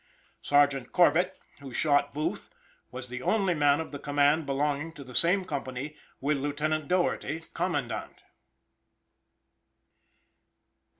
Sergeant Corbett, who shot Booth, was the only man of the command belonging to the same company with Lieutenant Doherty, Commandant.